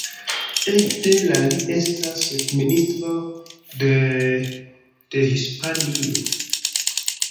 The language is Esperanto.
Ekde la li estas ĉefministro de Hispanio.